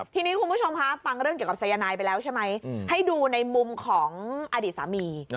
ทีนี้คุณผู้ชมคะฟังเรื่องเกี่ยวกับสายนายไปแล้วใช่ไหมให้ดูในมุมของอดีตสามี